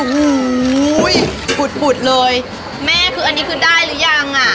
หูยปุดเลยแม่อันนี้คือได้หรือยังอ่ะ